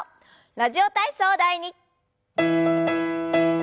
「ラジオ体操第２」。